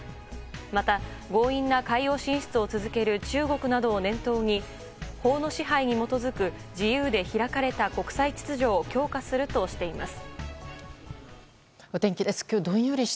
また、強引な海洋進出を続ける中国などを念頭に法の支配に基づく自由で開かれた国際秩序を強化するとしています。